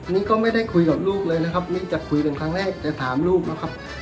นี่ก็ไม่ได้คุยกับลูกเลยนะครับเนื่องจากคุยกันครั้งแรกจะถามลูกนะครับ